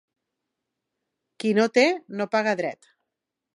Qui no té, no paga dret.